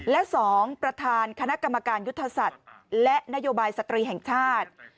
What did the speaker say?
และ๒ประธานคณะกรรมการยุทธศาสตร์และนโยบายสตรีแห่งชาติ